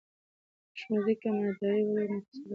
که ښوونځي کې امانتداري ولري، نو فساد به راسي.